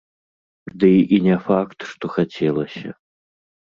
Дый і не факт, што хацелася.